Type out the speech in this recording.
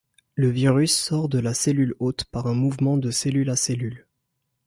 Le virus sort de la cellule hôte par un mouvement de cellule à cellule.